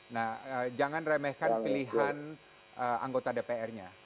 nah jangan remehkan pilihan anggota dpr nya